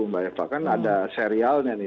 mbak eva kan ada serialnya nih